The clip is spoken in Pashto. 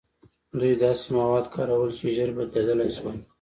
دوی داسې مواد کارول چې ژر بدلیدلی شول.